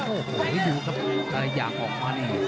โอ้โหอยู่กับอะไรอยากออกมาเนี่ย